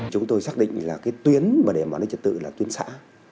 chúng tôi xác định là cái tuyến mà để bán vận chuyển tự là tuyến xã